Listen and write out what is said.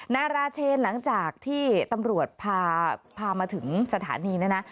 นาราเชนหลังจากที่ตำรวจพามาถึงสถานีเนี่ยนะ